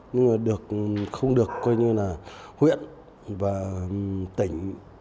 nhưng mà không được huyện và tỉnh